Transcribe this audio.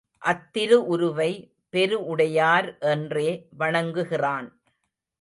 அத்திருஉருவை பெருஉடையார் என்றே வணங்குகிறான்.